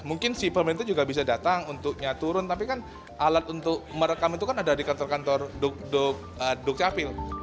mungkin si pemerintah juga bisa datang untuknya turun tapi kan alat untuk merekam itu kan ada di kantor kantor dukcapil